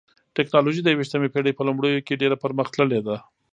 ټکنالوژي د یوویشتمې پېړۍ په لومړیو کې ډېره پرمختللې ده.